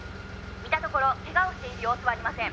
「見たところケガをしている様子はありません」